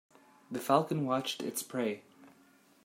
The falcon watched its prey.